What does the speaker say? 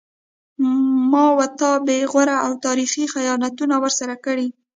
ما و تا بې غوره او تاریخي خیانتونه ورسره کړي